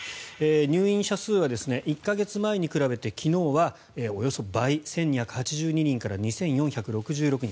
入院者数は１か月前に比べて昨日はおよそ倍１２８２人から２４６６人。